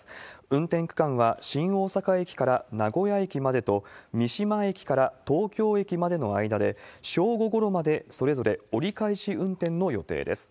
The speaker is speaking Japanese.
運転区間は新大阪駅から名古屋駅までと、三島駅から東京駅までの間で、正午ごろまでそれぞれ折り返し運転の予定です。